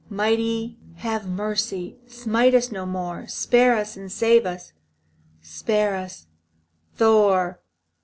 Mighty, have mercy, Smite us no more, Spare us and save us, Spare us, Thor!